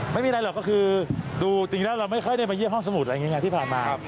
ไม่มีอะไรหรอกก็คือดูจริงแล้วเราไม่ค่อยได้มาเยี่ยมห้องสมุดอะไรอย่างนี้ไงที่ผ่านมา